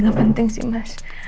gak penting sih mas